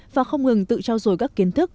và không ngừng tự trao dồi các kiến thức